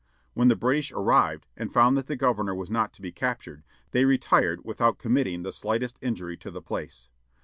When the British arrived, and found that the governor was not to be captured, they retired without committing the slightest injury to the place.